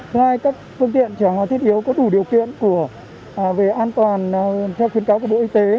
thứ hai các phương tiện chở hàng thiết yếu có đủ điều kiện về an toàn theo khuyến cáo của bộ y tế